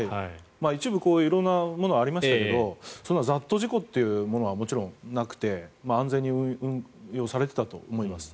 一部こういう色んなものがありましたが雑踏事故というものはもちろんなくて安全に運用されていたと思います。